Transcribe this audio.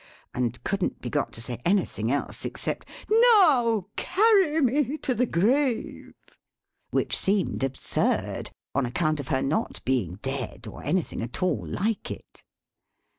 and couldn't be got to say anything else, except "Now carry me to the grave;" which seemed absurd, on account of her not being dead, or anything at all like it.